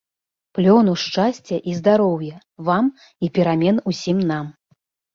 Плёну, шчасця і здароўя, вам і перамен усім нам!